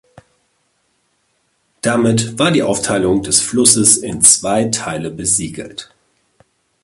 Damit war die Aufteilung des Flusses in zwei Teile besiegelt.